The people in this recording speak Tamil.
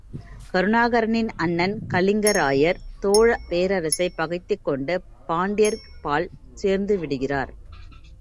கருணாகரனின் அண்ணன் காலிங்கராயர் சோழப் பேரரசைப் பகைத்துக்கொண்டு பாண்டியர்பால் சேர்ந்துவிடுகிறார்.